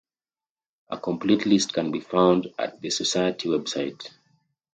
A complete list can be found at the society website.